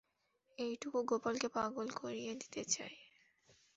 এইটুকুই গোপালকে পাগল করিয়া দিতে চায়।